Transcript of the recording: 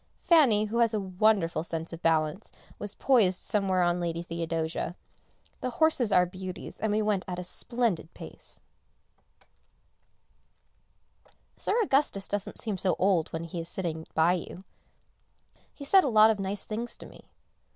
Fanny, who has a wonderful sense of balance, was poised somewhere on Lady Theodosia. The horses are beauties and we went at a splendid pace. [Sidenote: An Agreeable Drive] Sir Augustus doesn't seem so old when he is sitting by you; he said a lot of nice things to me.